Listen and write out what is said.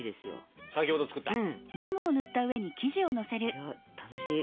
いや楽しい。